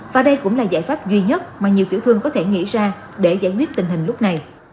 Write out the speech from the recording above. và đây cũng là giải pháp duy nhất mà nhiều tiểu thương có thể nghĩ ra để giải quyết tình hình lúc này